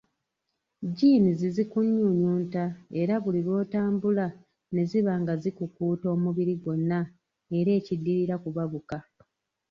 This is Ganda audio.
Jeans zikunyunyunta era buli lw'otambula ne ziba nga zikukuuta omubiri gwonna era ekiddirira kubabuka.